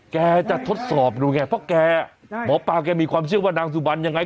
แกจะทดสอบดูไงเพราะแกหมอปลาแกมีความเชื่อว่านางสุบันยังไง